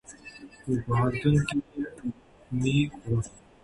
په پوهنتونونو کې یې علمي کړو.